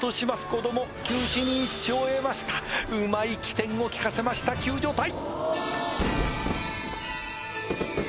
子供九死に一生を得ましたうまい機転を利かせました救助隊！